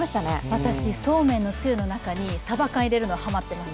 私、そうめんのつゆの中さば缶入れるのハマってます。